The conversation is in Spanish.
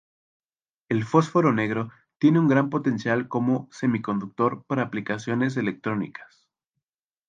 El fósforo negro tiene un gran potencial como semiconductor para aplicaciones electrónicas.